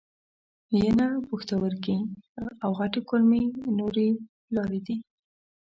ینه، پښتورګي او غټې کولمې نورې لارې دي.